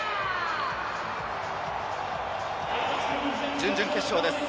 準々決勝です。